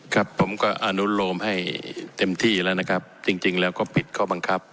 ครับผมก็อนุโลมให้เต็มที่แล้วนะครับจริงแล้วก็ปิดข้อบังคับ